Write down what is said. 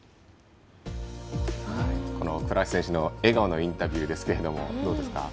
倉橋選手の笑顔のインタビューですがどうですか？